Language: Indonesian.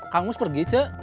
kang mus pergi c